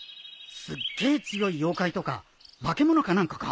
すっげえ強い妖怪とか化け物か何かか？